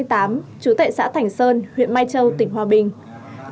trú tại xã thành sơn huyện mai châu tỉnh hòa bình